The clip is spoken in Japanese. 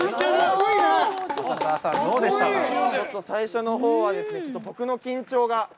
最初のほうは、僕の緊張が。